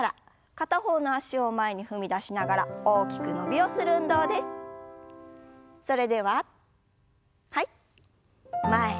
片方の脚を前に踏み出しながら大きく伸びをしましょう。